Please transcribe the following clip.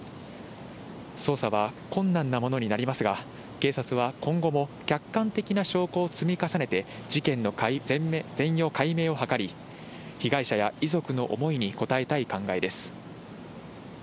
捜査は困難なものになりますが、警察は今後も客観的な証拠を積み重ねて、事件の全容解明を図り、被害者や遺族の思いに応えたい考えです。